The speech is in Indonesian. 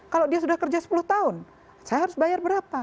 kalau dia sudah kerja sepuluh tahun saya harus bayar berapa